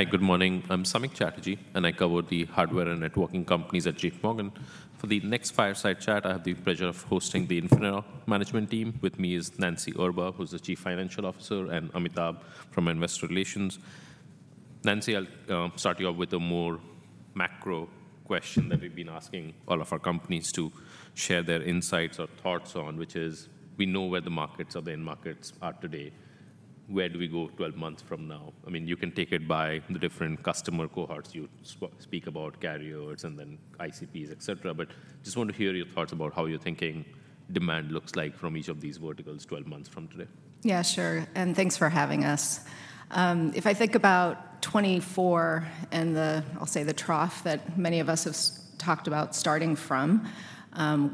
Hi, good morning. I'm Samik Chatterjee, and I cover the hardware and networking companies at J.P. Morgan. For the next fireside chat, I have the pleasure of hosting the Infinera management team. With me is Nancy Erba, who's the Chief Financial Officer, and Amitabh from Investor Relations. Nancy, I'll start you off with a more macro question that we've been asking all of our companies to share their insights or thoughts on, which is: we know where the markets or the end markets are today. Where do we go 12 months from now? I mean, you can take it by the different customer cohorts you speak about, carriers, and then ICPs, et cetera. But just want to hear your thoughts about how you're thinking demand looks like from each of these verticals 12 months from today. Yeah, sure, and thanks for having us. If I think about 2024 and the, I'll say, the trough that many of us have talked about starting from,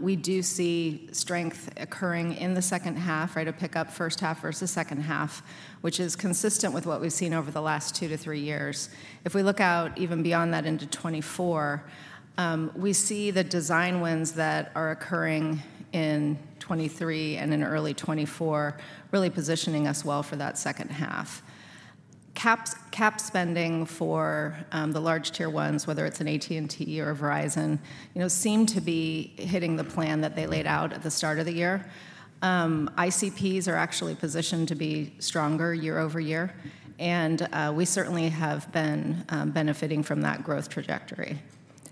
we do see strength occurring in the second half, right? A pickup first half versus second half, which is consistent with what we've seen over the last two to three years. If we look out even beyond that into 2024, we see the design wins that are occurring in 2023 and in early 2024 really positioning us well for that second half. Cap spending for the large Tier 1s, whether it's an AT&T or a Verizon, you know, seem to be hitting the plan that they laid out at the start of the year. ICPs are actually positioned to be stronger year-over-year, and we certainly have been benefiting from that growth trajectory.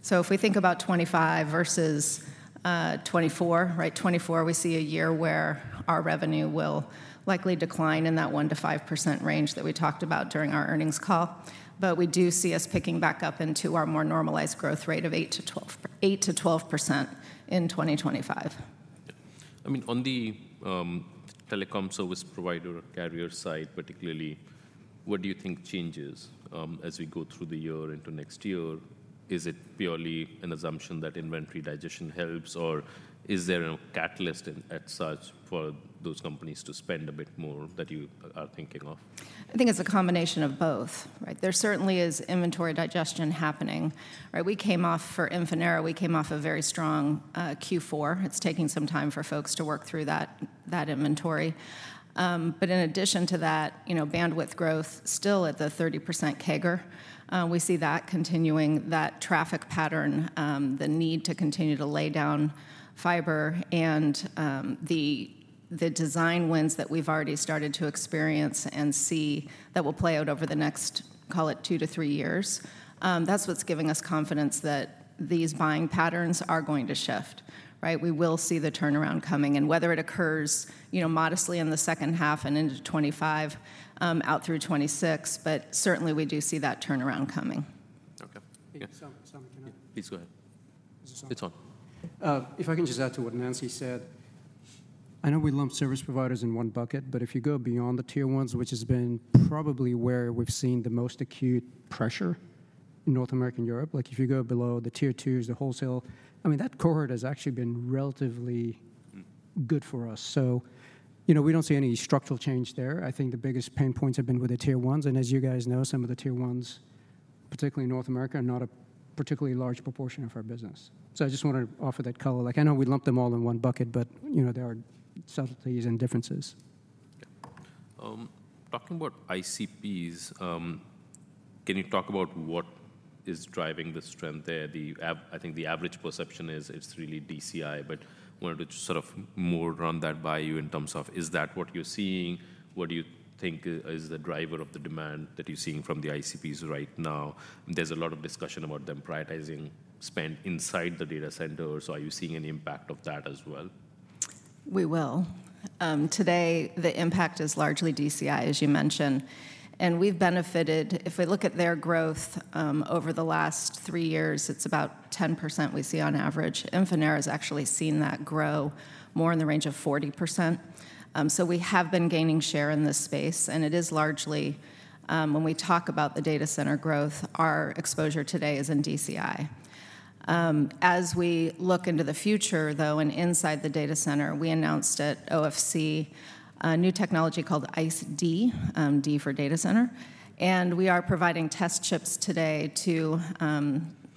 So if we think about 2025 versus 2024, right? 2024, we see a year where our revenue will likely decline in that 1%-5% range that we talked about during our earnings call, but we do see us picking back up into our more normalized growth rate of 8%-12%, 8%-12% in 2025. Yeah. I mean, on the telecom service provider, carrier side particularly, what do you think changes as we go through the year into next year? Is it purely an assumption that inventory digestion helps, or is there a catalyst in, as such, for those companies to spend a bit more that you are thinking of? I think it's a combination of both, right? There certainly is inventory digestion happening, right? We came off for Infinera, we came off a very strong Q4. It's taking some time for folks to work through that, that inventory. But in addition to that, you know, bandwidth growth still at the 30% CAGR. We see that continuing, that traffic pattern, the need to continue to lay down fiber and, the design wins that we've already started to experience and see that will play out over the next, call it two to three years. That's what's giving us confidence that these buying patterns are going to shift, right? We will see the turnaround coming, and whether it occurs, you know, modestly in the second half and into 2025, out through 2026, but certainly we do see that turnaround coming. Okay. Yeah. Samik, Samik- Please go ahead. Is this on? It's on. If I can just add to what Nancy said. I know we lump service providers in one bucket, but if you go beyond the Tier 1s, which has been probably where we've seen the most acute pressure in North America and Europe, like, if you go below the Tier 2s, the wholesale, I mean, that cohort has actually been relatively good for us. So, you know, we don't see any structural change there. I think the biggest pain points have been with the Tier 1s, and as you guys know, some of the Tier 1s, particularly in North America, are not a particularly large proportion of our business. So I just wanted to offer that color. Like, I know we lump them all in one bucket, but, you know, there are subtleties and differences. Talking about ICPs, can you talk about what is driving the strength there? I think the average perception is it's really DCI, but wanted to sort of more run that by you in terms of, is that what you're seeing? What do you think is the driver of the demand that you're seeing from the ICPs right now? There's a lot of discussion about them prioritizing spend inside the data centers. Are you seeing an impact of that as well? We will. Today, the impact is largely DCI, as you mentioned, and we've benefited. If we look at their growth, over the last three years, it's about 10% we see on average. Infinera has actually seen that grow more in the range of 40%. So we have been gaining share in this space, and it is largely, when we talk about the data center growth, our exposure today is in DCI. As we look into the future, though, and inside the data center, we announced at OFC a new technology called ICE-D, D for data center, and we are providing test chips today to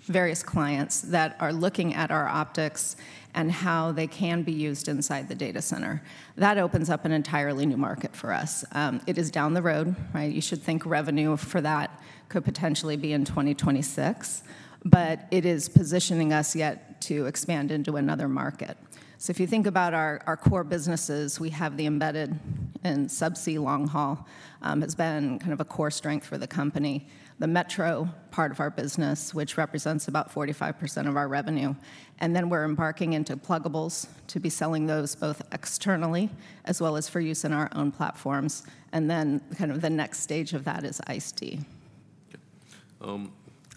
various clients that are looking at our optics and how they can be used inside the data center. That opens up an entirely new market for us. It is down the road, right? You should think revenue for that could potentially be in 2026, but it is positioning us yet to expand into another market. So if you think about our core businesses, we have the embedded and subsea long haul has been kind of a core strength for the company. The metro part of our business, which represents about 45% of our revenue, and then we're embarking into pluggables, to be selling those both externally, as well as for use in our own platforms. And then kind of the next stage of that is ICE-D.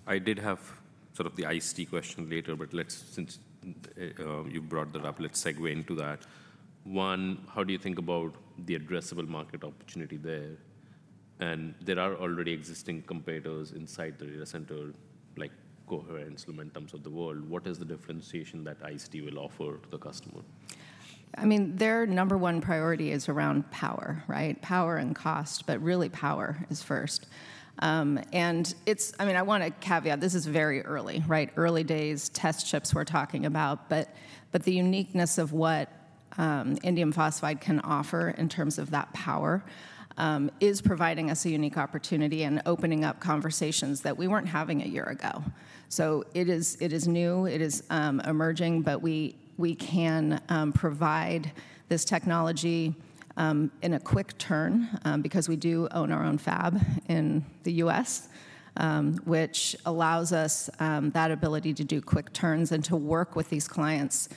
I did have sort of the ICE-D question later, but let's, since you brought that up, let's segue into that. One, how do you think about the addressable market opportunity there? And there are already existing competitors inside the data center, like Coherent and Lumentum of the world. What is the differentiation that ICE-D will offer to the customer? I mean, their number one priority is around power, right? Power and cost, but really power is first. I mean, I wanna caveat, this is very early, right? Early days test chips we're talking about, but the uniqueness of indium phosphide can offer in terms of that power is providing us a unique opportunity and opening up conversations that we weren't having a year ago. So it is emerging, but we can provide this technology in a quick turn because we do own our own fab in the U.S., which allows us that ability to do quick turns and to work with these clients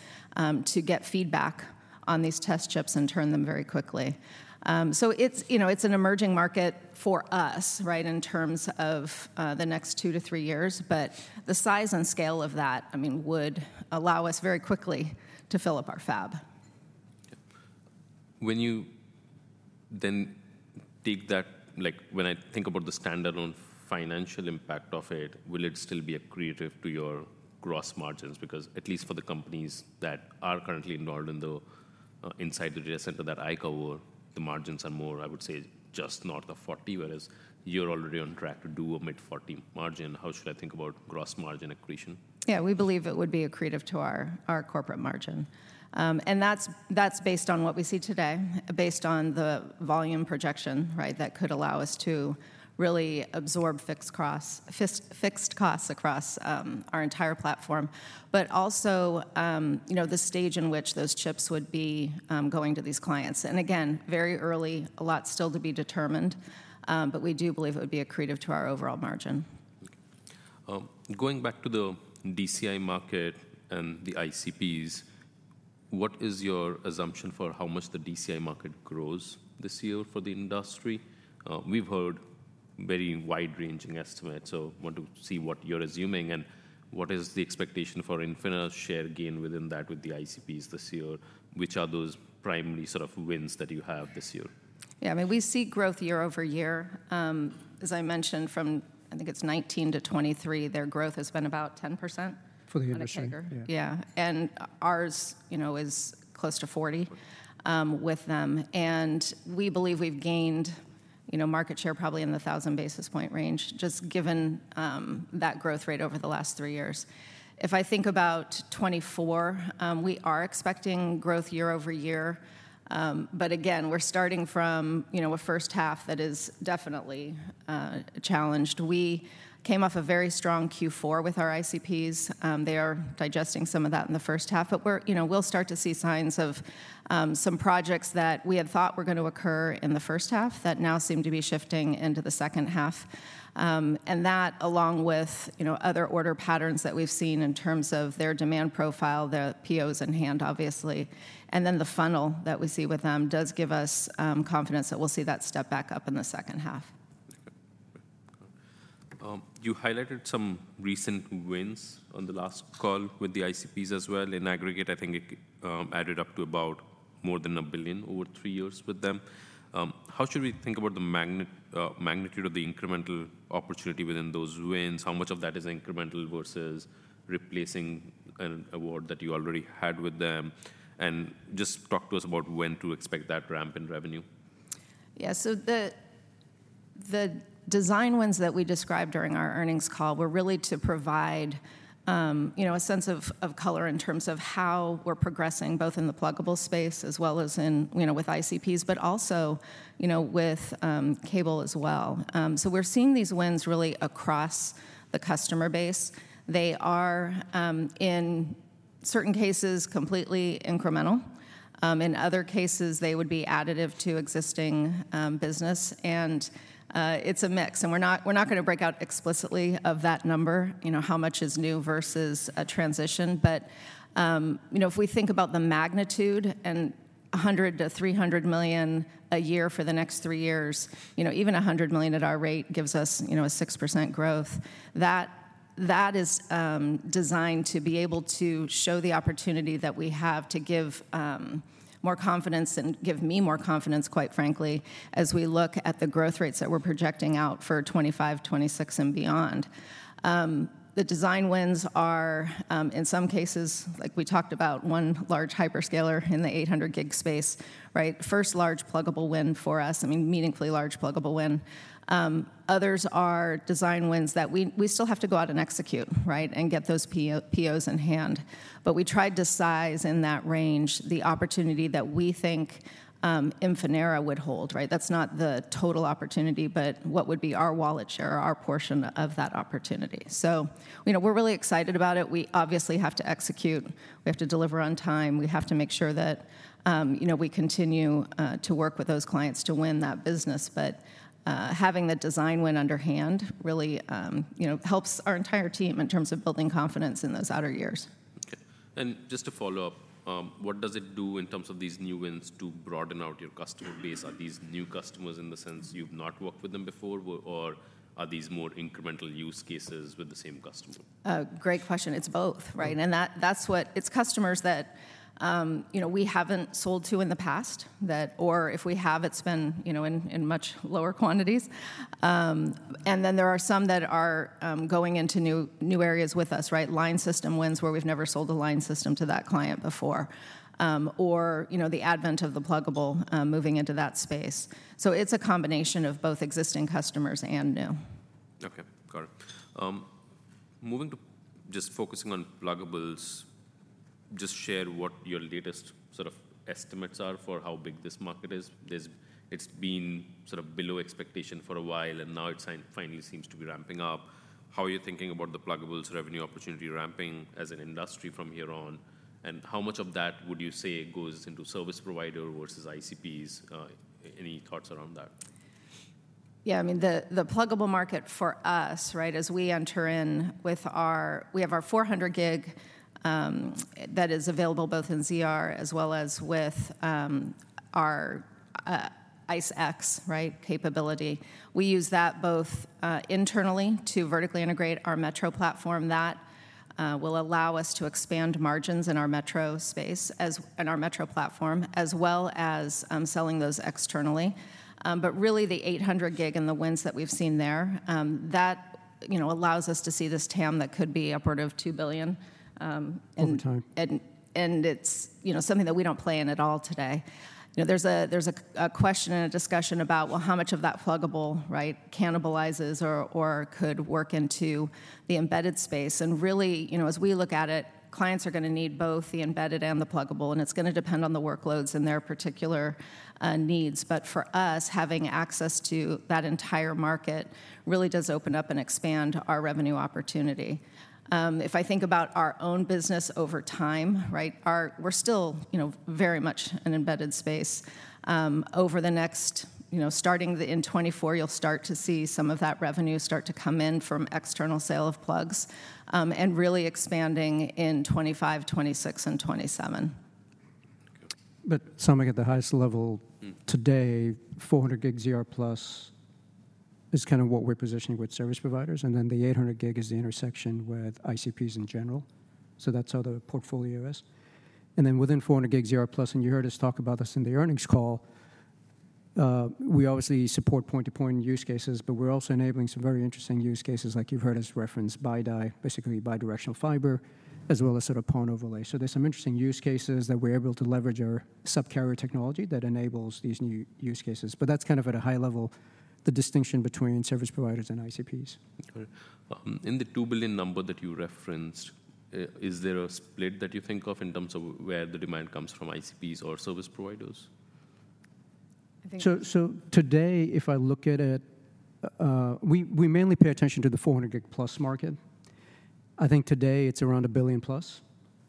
to get feedback on these test chips and turn them very quickly. So, you know, it's an emerging market for us, right, in terms of the next two to three years, but the size and scale of that, I mean, would allow us very quickly to fill up our fab. Yep. When you then take that—like, when I think about the standalone financial impact of it, will it still be accretive to your gross margins? Because at least for the companies that are currently involved in the inside the data center that I cover, the margins are more, I would say, just north of 40, whereas you're already on track to do a mid-40 margin. How should I think about gross margin accretion? Yeah, we believe it would be accretive to our corporate margin. And that's based on what we see today, based on the volume projection, right, that could allow us to really absorb fixed costs across our entire platform. But also, you know, the stage in which those chips would be going to these clients. And again, very early, a lot still to be determined, but we do believe it would be accretive to our overall margin. Going back to the DCI market and the ICPs, what is your assumption for how much the DCI market grows this year for the industry? We've heard very wide-ranging estimates, so want to see what you're assuming, and what is the expectation for Infinera's share gain within that with the ICPs this year? Which are those primary sort of wins that you have this year? Yeah, I mean, we see growth year over year. As I mentioned, from I think it's 2019 to 2023, their growth has been about 10%- For the industry. -on average. Yeah. Yeah. Ours, you know, is close to 40- Forty... with them. We believe we've gained, you know, market share probably in the 1,000 basis point range, just given that growth rate over the last three years. If I think about 2024, we are expecting growth year-over-year. But again, we're starting from, you know, a first half that is definitely challenged. We came off a very strong Q4 with our ICPs. They are digesting some of that in the first half, but we're, you know, we'll start to see signs of some projects that we had thought were going to occur in the first half that now seem to be shifting into the second half. And that, along with, you know, other order patterns that we've seen in terms of their demand profile, their POs in hand, obviously, and then the funnel that we see with them, does give us confidence that we'll see that step back up in the second half. Okay. You highlighted some recent wins on the last call with the ICPs as well. In aggregate, I think it added up to about more than $1 billion over three years with them. How should we think about the magnitude of the incremental opportunity within those wins? How much of that is incremental versus replacing an award that you already had with them? And just talk to us about when to expect that ramp in revenue. Yeah, so the design wins that we described during our earnings call were really to provide, you know, a sense of color in terms of how we're progressing, both in the pluggable space as well as in, you know, with ICPs, but also, you know, with cable as well. So we're seeing these wins really across the customer base. They are, in certain cases, completely incremental. In other cases, they would be additive to existing business, and it's a mix. And we're not going to break out explicitly of that number, you know, how much is new versus a transition. You know, if we think about the magnitude and $100 million-$300 million a year for the next three years, you know, even $100 million at our rate gives us, you know, 6% growth. That is designed to be able to show the opportunity that we have to give more confidence, and give me more confidence, quite frankly, as we look at the growth rates that we're projecting out for 2025, 2026, and beyond. The design wins are, in some cases, like we talked about one large hyperscaler in the 800G space, right? First large pluggable win for us. I mean, meaningfully large pluggable win. Others are design wins that we still have to go out and execute, right, and get those PO, POs in hand. But we tried to size in that range the opportunity that we think, Infinera would hold, right? That's not the total opportunity, but what would be our wallet share or our portion of that opportunity. So, you know, we're really excited about it. We obviously have to execute. We have to deliver on time. We have to make sure that, you know, we continue to work with those clients to win that business. But, having the design win in hand really, you know, helps our entire team in terms of building confidence in those outer years. Okay. And just to follow up, what does it do in terms of these new wins to broaden out your customer base? Are these new customers in the sense you've not worked with them before, or are these more incremental use cases with the same customer? Great question. It's both, right? Yeah. And that's what—it's customers that, you know, we haven't sold to in the past, that or if we have, it's been, you know, in much lower quantities. And then there are some that are going into new areas with us, right? Line system wins, where we've never sold a line system to that client before. Or, you know, the advent of the pluggable, moving into that space. So it's a combination of both existing customers and new. Okay, got it. Moving to just focusing on pluggables, just share what your latest sort of estimates are for how big this market is. It's been sort of below expectation for a while, and now it's finally seems to be ramping up. How are you thinking about the pluggables revenue opportunity ramping as an industry from here on, and how much of that would you say goes into service provider versus ICPs? Any thoughts around that? Yeah, I mean, the pluggable market for us, right, as we enter in with our-- We have our 400G that is available both in ZR as well as with our ICE-X, right, capability. We use that both internally to vertically integrate our metro platform. That will allow us to expand margins in our metro space as in our metro platform, as well as selling those externally. But really, the 800G and the wins that we've seen there, that, you know, allows us to see this TAM that could be upward of $2 billion, and- Over time. And it's, you know, something that we don't play in at all today. You know, there's a question and a discussion about, well, how much of that pluggable, right, cannibalizes or could work into the embedded space? And really, you know, as we look at it, clients are gonna need both the embedded and the pluggable, and it's gonna depend on the workloads and their particular needs. But for us, having access to that entire market really does open up and expand our revenue opportunity. If I think about our own business over time, right, our—we're still, you know, very much an embedded space. Over the next, you know, starting in 2024, you'll start to see some of that revenue start to come in from external sale of plugs, and really expanding in 2025, 2026, and 2027. Okay. Summing at the highest level- Mm. Today, 400G ZR+ is kind of what we're positioning with service providers, and then the 800G is the intersection with ICPs in general. So that's how the portfolio is. And then within 400G ZR+, and you heard us talk about this in the earnings call, we obviously support point-to-point use cases, but we're also enabling some very interesting use cases like you've heard us reference, BiDi, basically bi-directional fiber, as well as sort of PON overlay. So there's some interesting use cases that we're able to leverage our subcarrier technology that enables these new use cases. But that's kind of at a high level, the distinction between service providers and ICPs. Got it. In the two billion number that you referenced, is there a split that you think of in terms of where the demand comes from ICPs or service providers? I think- Today, if I look at it, we mainly pay attention to the 400 gig plus market. I think today it's around $1 billion plus,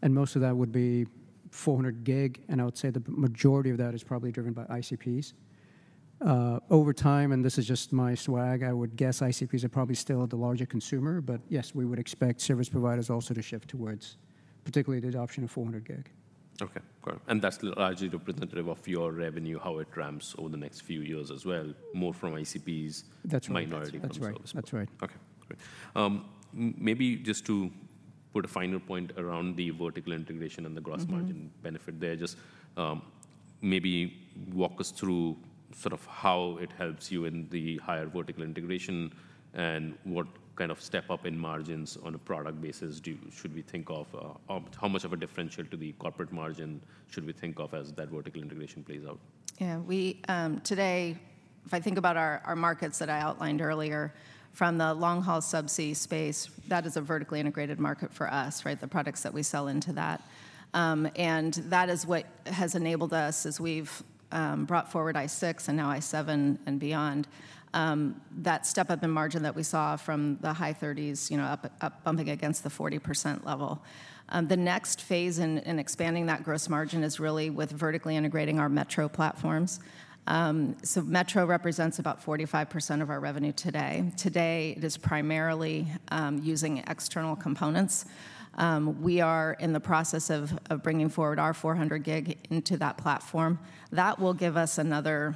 and most of that would be 400 gig, and I would say the majority of that is probably driven by ICPs. Over time, and this is just my swag, I would guess ICPs are probably still the larger consumer, but yes, we would expect service providers also to shift towards particularly the adoption of 400 gig. Okay, got it. And that's largely representative of your revenue, how it ramps over the next few years as well, more from ICPs- That's right. Minority comes from service providers. That's right. That's right. Okay, great. Maybe just to put a finer point around the vertical integration and the gross- Mm-hmm... margin benefit there, just, maybe walk us through sort of how it helps you in the higher vertical integration, and what kind of step up in margins on a product basis should we think of, or how much of a differential to the corporate margin should we think of as that vertical integration plays out? Yeah. We today, if I think about our markets that I outlined earlier, from the long-haul subsea space, that is a vertically integrated market for us, right? The products that we sell into that. And that is what has enabled us as we've brought forward ICE6 and now ICE7 and beyond, that step-up in margin that we saw from the high 30s, you know, up bumping against the 40% level. The next phase in expanding that gross margin is really with vertically integrating our metro platforms. So metro represents about 45% of our revenue today. Today, it is primarily using external components. We are in the process of bringing forward our 400G into that platform. That will give us another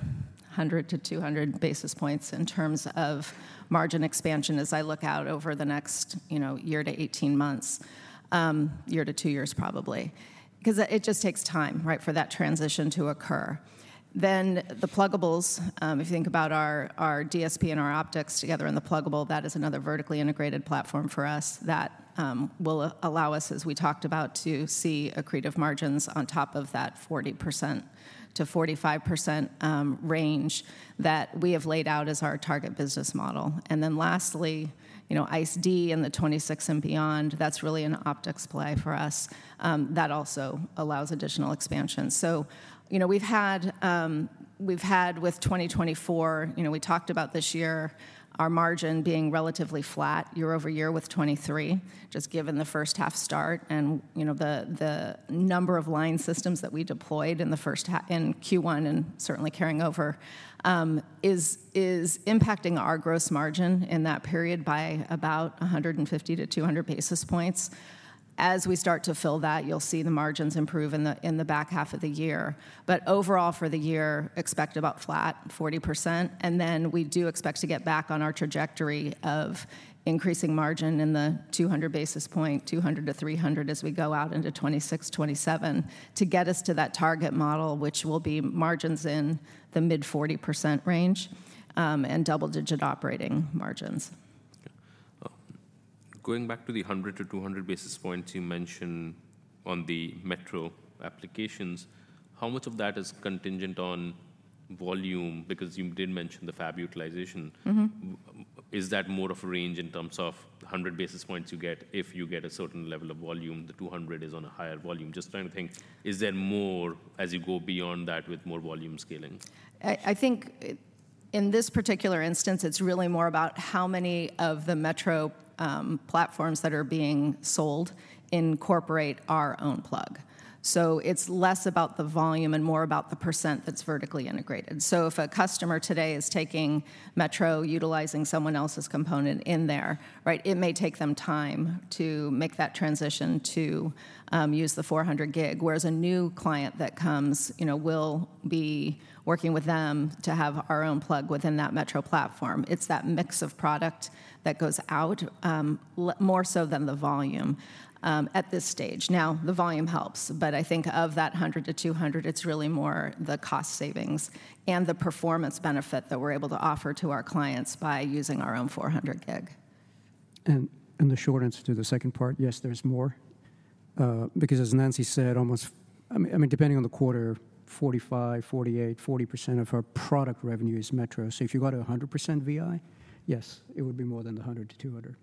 100 basis points-200 basis points in terms of margin expansion as I look out over the next, you know, year to 18 months, year to two years, probably. 'Cause it, it just takes time, right, for that transition to occur. Then the pluggables, if you think about our, our DSP and our optics together in the pluggable, that is another vertically integrated platform for us that will allow us, as we talked about, to see accretive margins on top of that 40%-45% range that we have laid out as our target business model. And then lastly, you know, ICE-D and the 2026 and beyond, that's really an optics play for us. That also allows additional expansion. So, you know, we've had with 2024, you know, we talked about this year, our margin being relatively flat year-over-year with 2023, just given the first half start. And, you know, the number of line systems that we deployed in the first half in Q1 and certainly carrying over is impacting our gross margin in that period by about 150 basis points-200 basis points. As we start to fill that, you'll see the margins improve in the back half of the year. But overall, for the year, expect about flat 40%, and then we do expect to get back on our trajectory of increasing margin in the 200 basis point, 200 basis points-300 basis points, as we go out into 2026, 2027, to get us to that target model, which will be margins in the mid-40% range, and double-digit operating margins. Yeah. Going back to the 100 basis points-200 basis points you mentioned on the metro applications, how much of that is contingent on volume, because you did mention the fab utilization. Mm-hmm. Is that more of a range in terms of the 100 basis points you get if you get a certain level of volume, the 200 basis points is on a higher volume? Just trying to think, is there more as you go beyond that with more volume scaling? I think in this particular instance, it's really more about how many of the metro platforms that are being sold incorporate our own plug. So it's less about the volume and more about the percent that's vertically integrated. So if a customer today is taking metro, utilizing someone else's component in there, right, it may take them time to make that transition to use the 400G. Whereas a new client that comes, you know, we'll be working with them to have our own plug within that metro platform. It's that mix of product that goes out, more so than the volume at this stage. Now, the volume helps, but I think of that 100 basis points-200 basis points, it's really more the cost savings and the performance benefit that we're able to offer to our clients by using our own 400G. The short answer to the second part, yes, there's more. Because as Nancy said, almost—I mean, I mean, depending on the quarter, 45%, 48%, 40% of our product revenue is metro. So if you go to a 100% VI, yes, it would be more than the 100 basis points-200 basis points. Okay.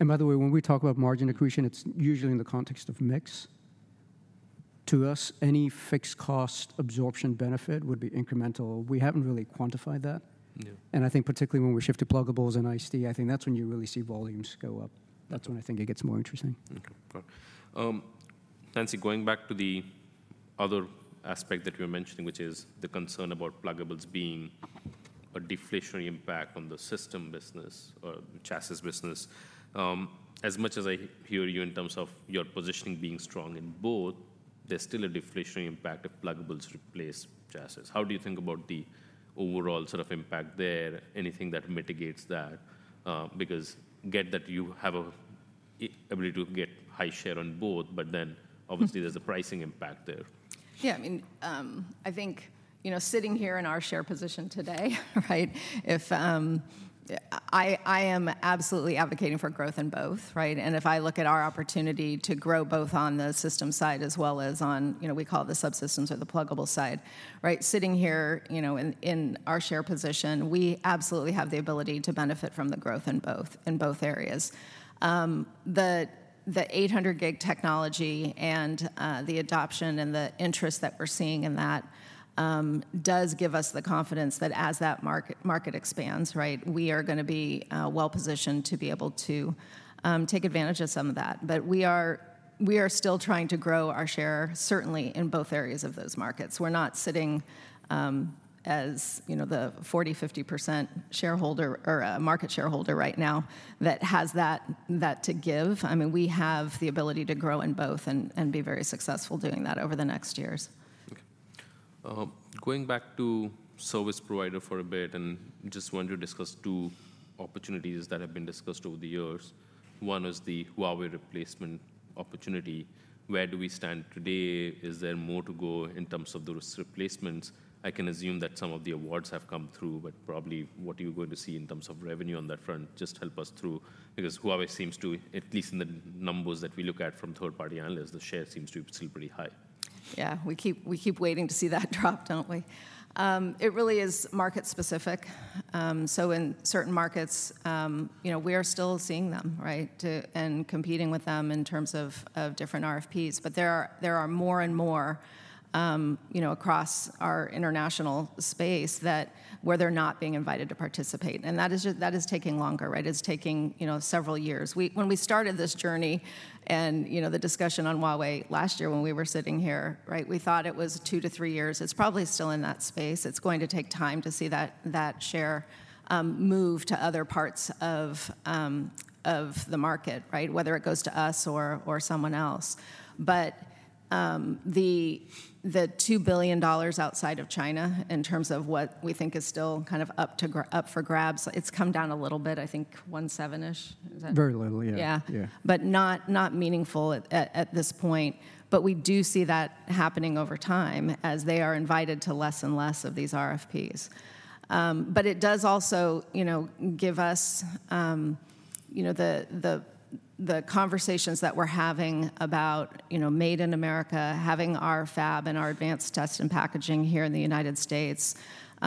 And by the way, when we talk about margin accretion, it's usually in the context of mix. To us, any fixed cost absorption benefit would be incremental. We haven't really quantified that. Yeah. I think particularly when we shift to pluggables and ICE, I think that's when you really see volumes go up. That's when I think it gets more interesting. Okay, got it. Nancy, going back to the other aspect that you were mentioning, which is the concern about pluggables being a deflationary impact on the system business or chassis business. As much as I hear you in terms of your positioning being strong in both, there's still a deflationary impact if pluggables replace chassis. How do you think about the overall sort of impact there? Anything that mitigates that, because get that you have a, a ability to get high share on both, but then- Mm-hmm... obviously, there's a pricing impact there. Yeah, I mean, I think, you know, sitting here in our share position today, right? If... I am absolutely advocating for growth in both, right? And if I look at our opportunity to grow both on the system side as well as on, you know, we call it the subsystems or the pluggable side, right? Sitting here, you know, in our share position, we absolutely have the ability to benefit from the growth in both, in both areas. The 800G technology and the adoption and the interest that we're seeing in that does give us the confidence that as that market expands, right, we are gonna be well-positioned to be able to take advantage of some of that. But we are still trying to grow our share, certainly in both areas of those markets. We're not sitting, as, you know, the 40%-50% shareholder or a market shareholder right now that has that, that to give. I mean, we have the ability to grow in both and, and be very successful doing that over the next years. Okay. Going back to service provider for a bit, and just want to discuss two opportunities that have been discussed over the years. One is the Huawei replacement opportunity. Where do we stand today? Is there more to go in terms of those replacements? I can assume that some of the awards have come through, but probably, what are you going to see in terms of revenue on that front? Just help us through, because Huawei seems to, at least in the numbers that we look at from third-party analysts, the share seems to be still pretty high. Yeah, we keep, we keep waiting to see that drop, don't we? It really is market specific. So in certain markets, you know, we are still seeing them, right, and competing with them in terms of different RFPs. But there are more and more, you know, across our international space where they're not being invited to participate, and that is just taking longer, right? It's taking, you know, several years. When we started this journey, and, you know, the discussion on Huawei last year when we were sitting here, right, we thought it was two to three years. It's probably still in that space. It's going to take time to see that share move to other parts of the market, right? Whether it goes to us or someone else. But, the two billion dollars outside of China, in terms of what we think is still kind of up for grabs, it's come down a little bit, I think $1.7 billion-ish, is that- Very little, yeah. Yeah. Yeah. But not meaningful at this point. But we do see that happening over time, as they are invited to less and less of these RFPs. But it does also, you know, give us, you know, the conversations that we're having about, you know, made in America, having our fab and our advanced test and packaging here in the United States.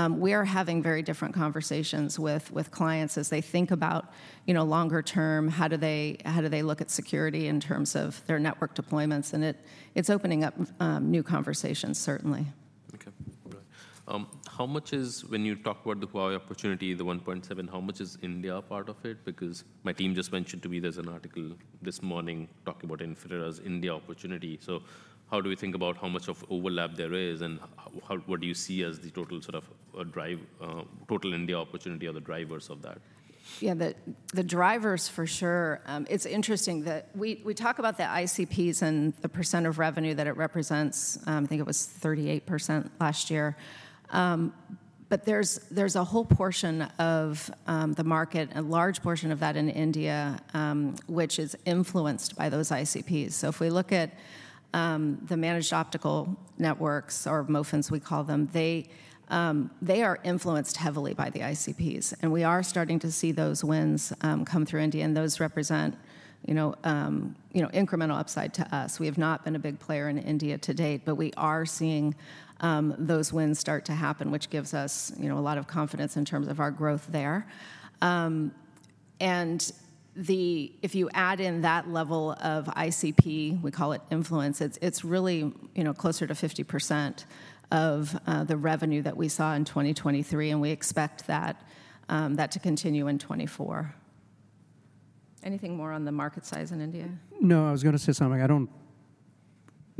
We are having very different conversations with clients as they think about, you know, longer term, how do they look at security in terms of their network deployments? And it's opening up new conversations, certainly. Okay, all right. How much is, when you talk about the Huawei opportunity, the $1.7 billion, how much is India part of it? Because my team just mentioned to me there's an article this morning talking about Infinera's India opportunity. So how do we think about how much of overlap there is, and how—what do you see as the total sort of, drive, total India opportunity or the drivers of that? Yeah, the drivers for sure. It's interesting that we talk about the ICPs and the percent of revenue that it represents. I think it was 38% last year. But there's a whole portion of the market, a large portion of that in India, which is influenced by those ICPs. So if we look at the managed optical networks or MOFNs, we call them, they are influenced heavily by the ICPs, and we are starting to see those wins come through India, and those represent, you know, you know, incremental upside to us. We have not been a big player in India to date, but we are seeing those wins start to happen, which gives us, you know, a lot of confidence in terms of our growth there. So-... and if you add in that level of ICP, we call it influence, it's really, you know, closer to 50% of the revenue that we saw in 2023, and we expect that to continue in 2024. Anything more on the market size in India? No, I was gonna say something.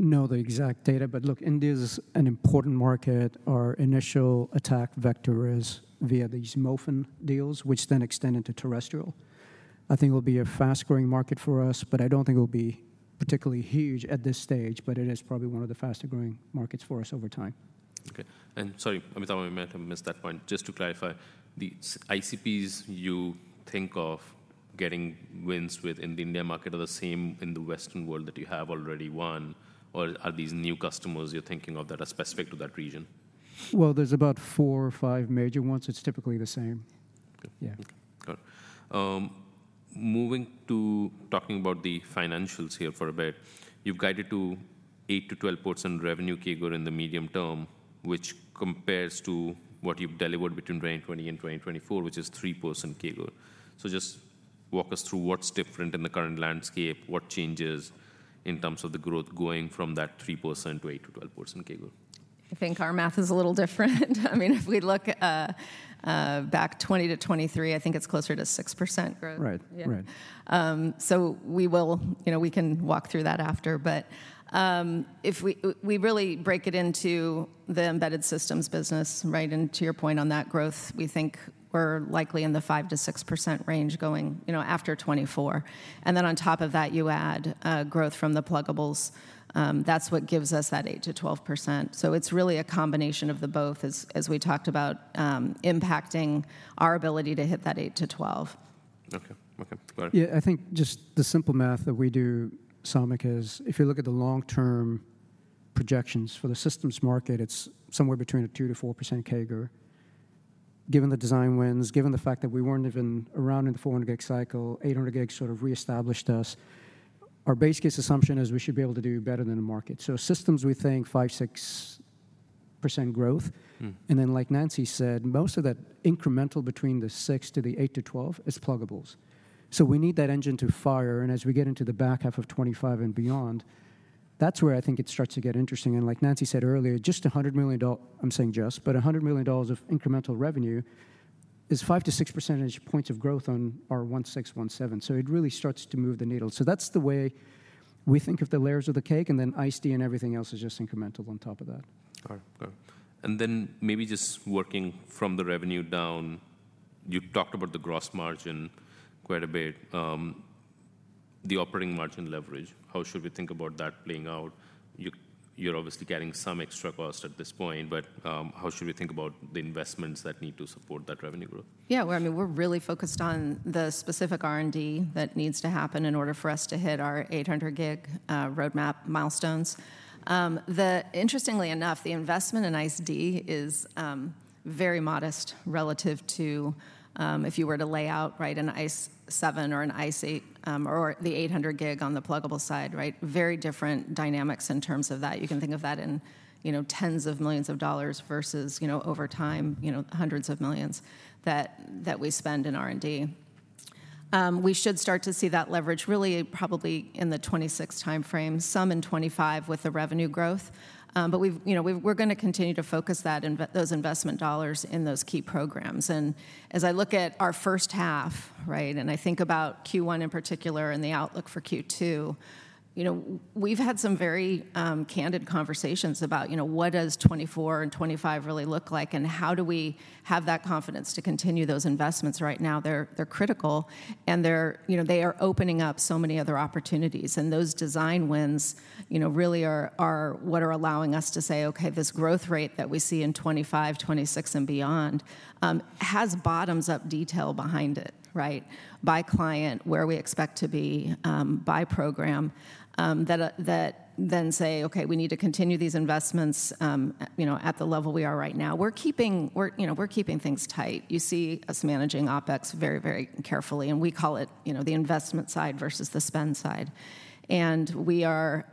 I don't know the exact data, but look, India is an important market. Our initial attack vector is via these MOFN deals, which then extend into terrestrial. I think it'll be a fast-growing market for us, but I don't think it'll be particularly huge at this stage, but it is probably one of the faster-growing markets for us over time. Okay. And sorry, Amitabh, I might have missed that point. Just to clarify, the ICPs you think of getting wins with in the India market are the same in the Western world that you have already won, or are these new customers you're thinking of that are specific to that region? Well, there's about four or five major ones. It's typically the same. Okay. Yeah. Got it. Moving to talking about the financials here for a bit. You've guided to 8%-12% revenue CAGR in the medium term, which compares to what you've delivered between 2020 and 2024, which is 3% CAGR. So just walk us through what's different in the current landscape, what changes in terms of the growth going from that 3% to 8%-12% CAGR? I think our math is a little different. I mean, if we look back 2020-2023, I think it's closer to 6% growth. Right. Yeah. Right. So, you know, we can walk through that after. But, if we really break it into the embedded systems business, right? And to your point on that growth, we think we're likely in the 5%-6% range going, you know, after 2024. And then on top of that, you add growth from the pluggables. That's what gives us that 8%-12%. So it's really a combination of the both, as we talked about, impacting our ability to hit that 8%-12%. Okay. Okay, got it. Yeah, I think just the simple math that we do, Samik, is if you look at the long-term projections for the systems market, it's somewhere between a 2%-4% CAGR. Given the design wins, given the fact that we weren't even around in the 400G cycle, 800G sort of reestablished us. Our base case assumption is we should be able to do better than the market. So systems, we think 5%-6% growth. Mm. And then, like Nancy said, most of that incremental between the 6% to the 8% to 12% is pluggables. So we need that engine to fire, and as we get into the back half of 2025 and beyond, that's where I think it starts to get interesting. And like Nancy said earlier, just a $100 million—I'm saying just, but a $100 million of incremental revenue is 5 percentage points-6 percentage points of growth on our $1.6, $1.7, so it really starts to move the needle. So that's the way we think of the layers of the cake, and then ICE-D and everything else is just incremental on top of that. Got it. Got it. And then maybe just working from the revenue down, you talked about the gross margin quite a bit. The operating margin leverage, how should we think about that playing out? You're obviously getting some extra cost at this point, but, how should we think about the investments that need to support that revenue growth? Yeah, well, I mean, we're really focused on the specific R&D that needs to happen in order for us to hit our 800G roadmap milestones. Interestingly enough, the investment in ICE-D is very modest relative to if you were to lay out, right, an ICE7 or an ICE8, or the 800G on the pluggable side, right? Very different dynamics in terms of that. You can think of that in, you know, tens of millions of dollars versus, you know, over time, you know, hundreds of millions that we spend in R&D. We should start to see that leverage really probably in the 2026 timeframe, some in 2025 with the revenue growth. But we've, you know, we've, we're gonna continue to focus those investment dollars in those key programs. As I look at our first half, right, and I think about Q1 in particular and the outlook for Q2, you know, we've had some very candid conversations about, you know, what does 2024 and 2025 really look like, and how do we have that confidence to continue those investments? Right now, they're critical, and they're you know, they are opening up so many other opportunities. And those design wins, you know, really are what are allowing us to say, "Okay, this growth rate that we see in 2025, 2026, and beyond has bottoms-up detail behind it," right? By client, where we expect to be, by program, that then say, "Okay, we need to continue these investments, you know, at the level we are right now." We're keeping, we're you know, we're keeping things tight. You see us managing OpEx very, very carefully, and we call it, you know, the investment side versus the spend side. And we are,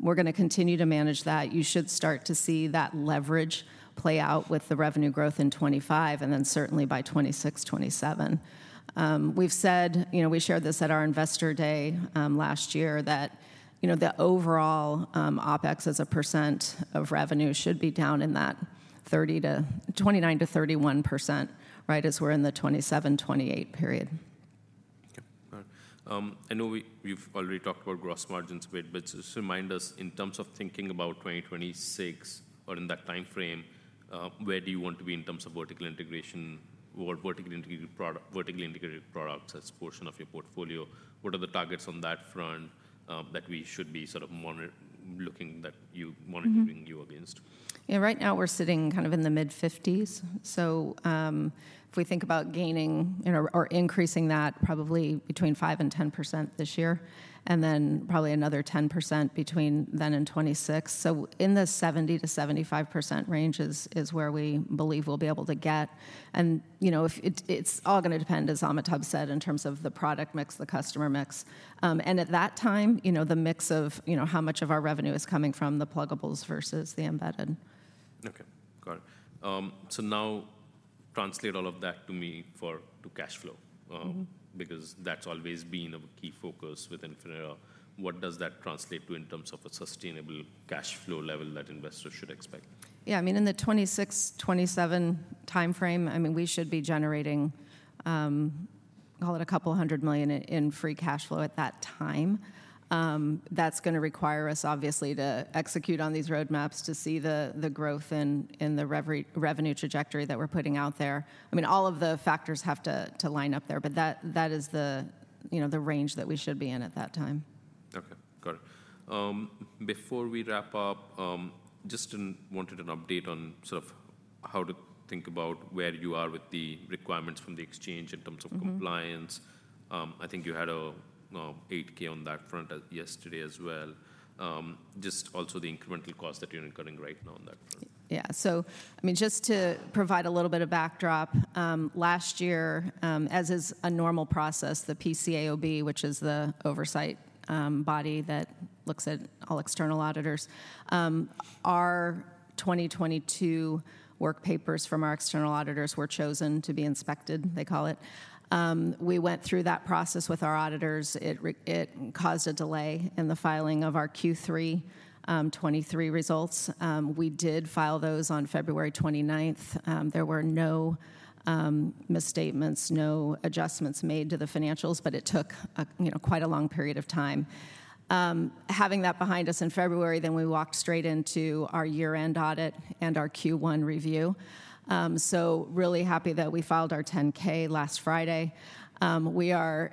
we're gonna continue to manage that. You should start to see that leverage play out with the revenue growth in 2025, and then certainly by 2026, 2027. We've said—you know, we shared this at our Investor Day, last year, that, you know, the overall, OpEx as a percent of revenue should be down in that 30% to, 29% to 31%, right, as we're in the 2027, 2028 period. Okay. All right. I know we've already talked about gross margins a bit, but just remind us, in terms of thinking about 2026 or in that timeframe, where do you want to be in terms of vertical integration or vertically integrated product, vertically integrated products as portion of your portfolio? What are the targets on that front, that we should be sort of looking, that you- Mm-hmm.... monitoring you against? Yeah, right now we're sitting kind of in the mid-50s. So, if we think about gaining, you know, or increasing that probably between 5% and 10% this year, and then probably another 10% between then and 2026. So in the 70%-75% range is where we believe we'll be able to get. And, you know, if it, it's all gonna depend, as Amitabh said, in terms of the product mix, the customer mix. And at that time, you know, the mix of, you know, how much of our revenue is coming from the pluggables versus the embedded. Okay, got it. So now translate all of that to me, to cash flow. Mm-hmm. Because that's always been a key focus with Infinera. What does that translate to in terms of a sustainable cash flow level that investors should expect? Yeah, I mean, in the 2026, 2027 timeframe, I mean, we should be generating, call it $200 million in free cash flow at that time. That's gonna require us, obviously, to execute on these roadmaps to see the growth in the revenue trajectory that we're putting out there. I mean, all of the factors have to line up there, but that is the, you know, the range that we should be in at that time. Okay, got it. Before we wrap up, just wanted an update on sort of how to think about where you are with the requirements from the exchange in terms of- Mm-hmm... compliance. I think you had an 8-K on that front as of yesterday as well. Just also the incremental cost that you're incurring right now on that front. Yeah. So I mean, just to provide a little bit of backdrop, last year, as is a normal process, the PCAOB, which is the oversight body that looks at all external auditors, our 2022 work papers from our external auditors were chosen to be inspected, they call it. We went through that process with our auditors. It caused a delay in the filing of our Q3 2023 results. We did file those on February 29th. There were no misstatements, no adjustments made to the financials, but it took a, you know, quite a long period of time. Having that behind us in February, then we walked straight into our year-end audit and our Q1 review. So really happy that we filed our 10-K last Friday. We are...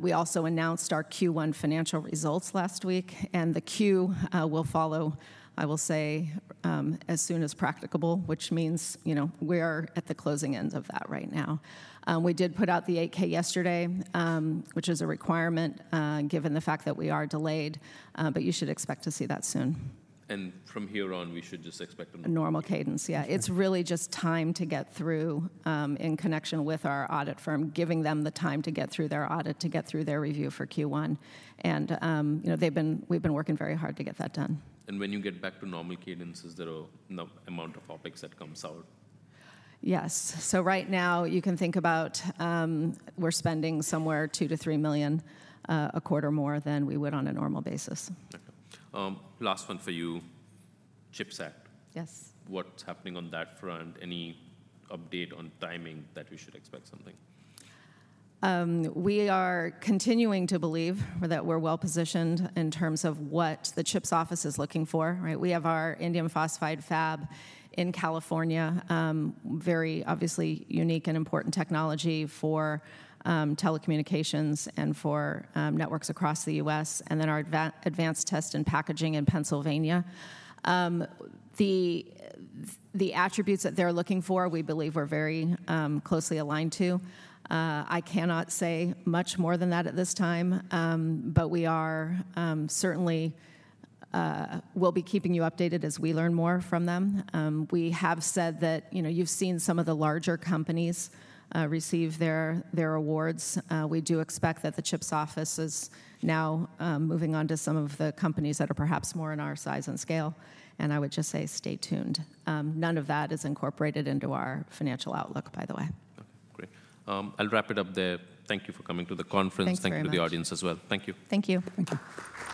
We also announced our Q1 financial results last week, and the Q will follow, I will say, as soon as practicable, which means, you know, we are at the closing end of that right now. We did put out the 8-K yesterday, which is a requirement, given the fact that we are delayed, but you should expect to see that soon. From here on, we should just expect A normal cadence. Yeah. Mm-hmm. It's really just time to get through, in connection with our audit firm, giving them the time to get through their audit, to get through their review for Q1. You know, we've been working very hard to get that done. When you get back to normal cadence, is there a, you know, amount of OpEx that comes out? Yes. So right now, you can think about, we're spending somewhere $2 million-$3 million a quarter more than we would on a normal basis. Okay. Last one for you: CHIPS Act. Yes. What's happening on that front? Any update on timing that we should expect something? We are continuing to believe that we're well-positioned in terms of what the CHIPS office is looking for, right? We have our indium phosphide fab in California, very obviously unique and important technology for telecommunications and for networks across the U.S., and then our advanced test and packaging in Pennsylvania. The attributes that they're looking for, we believe we're very closely aligned to. I cannot say much more than that at this time, but certainly we'll be keeping you updated as we learn more from them. We have said that, you know, you've seen some of the larger companies receive their awards. We do expect that the CHIPS office is now moving on to some of the companies that are perhaps more in our size and scale, and I would just say stay tuned. None of that is incorporated into our financial outlook, by the way. Okay, great. I'll wrap it up there. Thank you for coming to the conference. Thanks very much. Thank you to the audience as well. Thank you. Thank you. Thank you.